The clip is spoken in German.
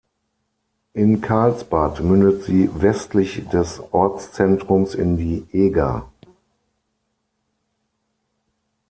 In Karlsbad mündet sie westlich des Ortszentrums in die Eger.